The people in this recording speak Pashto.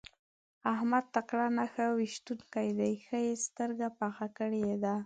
احمد تکړه نښه ويشتونکی دی؛ ښه يې سترګه پخه کړې ده.